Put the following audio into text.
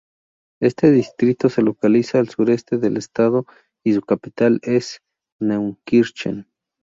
Este distrito se localiza al sureste del estado y su capital es Neunkirchen.